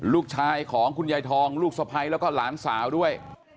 ลูกชายของคุณยายทองลูกสะพ้ายแล้วก็หลานสาวด้วย